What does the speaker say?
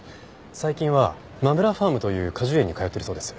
最近はまむらファームという果樹園に通っているそうです。